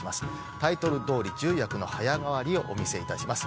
タイトル通り十役の早替わりをお見せいたします。